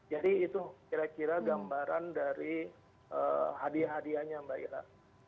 jadi itu kira kira gambaran dari hadiah hadiahnya mbak ila